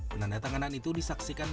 penandatanganan itu disaksikan